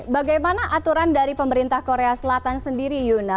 bagaimana aturan dari pemerintah korea selatan sendiri yuna